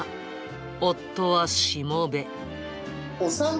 夫はしもべ。